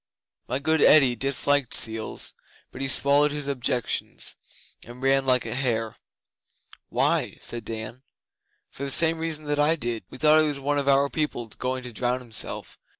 My good Eddi disliked seals but he swallowed his objections and ran like a hare.' 'Why?' said Dan. 'For the same reason that I did. We thought it was one of our people going to drown himself.